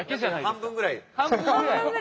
半分ぐらい。